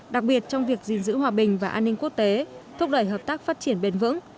đặc biệt trong việc gìn giữ hòa bình và an ninh quốc tế thúc đẩy hợp tác phát triển bền vững